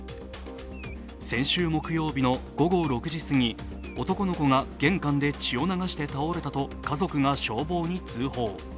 先週木曜日の午後６時すぎ男の子が玄関で血を流して倒れたと家族が消防に通報。